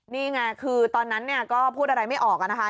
นี่ไงคือตอนนั้นเนี่ยก็พูดอะไรไม่ออกอะนะคะ